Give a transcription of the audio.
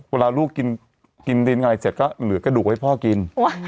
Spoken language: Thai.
เวลาลูกกินดินอะไรเสร็จก็เหลือกระดูกให้พ่อกิน